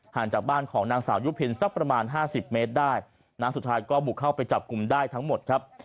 จากบ้านของนางสาวยุพินสักประมาณห้าสิบเมตรได้นะสุดท้ายก็บุกเข้าไปจับกลุ่มได้ทั้งหมดครับ